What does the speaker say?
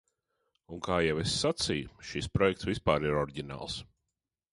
Un, kā jau es sacīju, šis projekts vispār ir oriģināls.